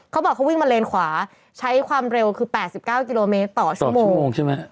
เขาบอกเขาวิ่งมาเลนขวาใช้ความเร็วคือ๘๙กิโลเมตรต่อชั่วโมงใช่ไหม